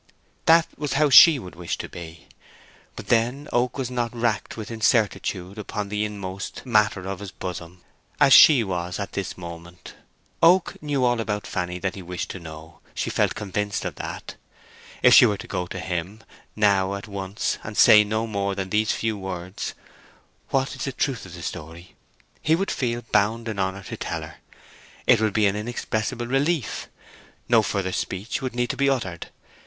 That was how she would wish to be. But then Oak was not racked by incertitude upon the inmost matter of his bosom, as she was at this moment. Oak knew all about Fanny that he wished to know—she felt convinced of that. If she were to go to him now at once and say no more than these few words, "What is the truth of the story?" he would feel bound in honour to tell her. It would be an inexpressible relief. No further speech would need to be uttered.